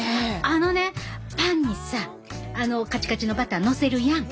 あのねパンにさかちかちのバターのせるやん。